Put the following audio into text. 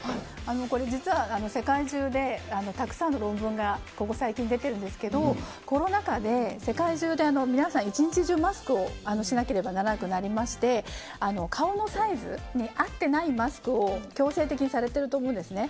これ、実は世界中でたくさんの論文がここ最近出てるんですけれどもコロナ禍で世界中で皆さん一日中マスクをしなければならなくなりまして顔のサイズに合っていないマスクを強制的にされていると思うんですね。